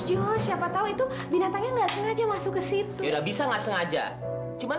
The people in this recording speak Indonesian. jujur siapa tahu itu binatangnya nggak sengaja masuk ke situ bisa nggak sengaja cuman